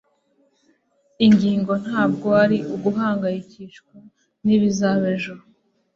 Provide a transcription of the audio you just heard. ingingo ntabwo ari uguhangayikishwa nibizaba ejo